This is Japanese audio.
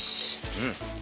うん。